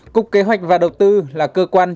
cục kế hoạch và đầu tư là cơ quan